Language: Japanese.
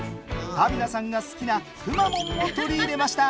タビナさんが好きなくまモンも取り入れました。